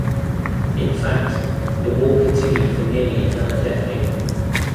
In fact, the war continued for nearly another decade.